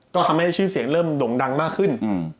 ก็ทำให้ชื่อเสียงเริ่มด่งดังมากขึ้น